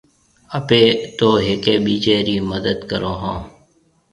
اپَي تو هيَڪي ٻِيجي رِي مدد ڪرون هون